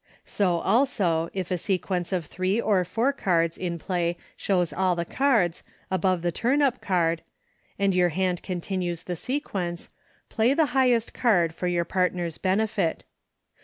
So, also, if a sequence of three or four cards in play shows all the cards above the turn up card, and your hand continues the sequence, play the highest card for your part ner's benefit.